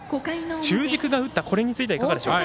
中軸が打ったことに関してはいかがですか？